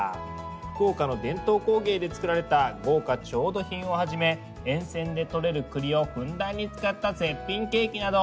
福岡の伝統工芸で作られた豪華調度品をはじめ沿線でとれる栗をふんだんに使った絶品ケーキなど